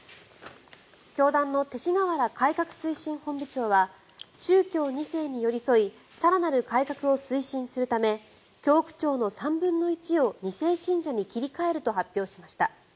教団の勅使河原改革推進本部長は宗教２世に寄り添い更なる改革を推進するため教区長の３分の１を２世信者に切り替えると発表しました。